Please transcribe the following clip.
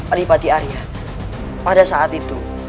pribadi arya pada saat itu